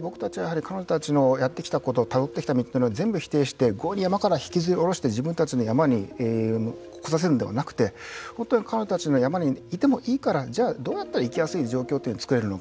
僕たちは彼女たちのやってきたことたどってきた道を全部否定して山から引きずりおろして自分たちの山に来させるんではなくて彼女たちの山にいてもいいからじゃあ、どうやったら生きやすい状況を作れるのか。